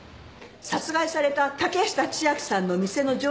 殺害された竹下千晶さんの店の常連客